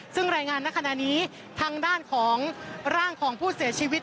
ซึ่งรายงานในขณะนี้ทางด้านของร่างของผู้เสียชีวิต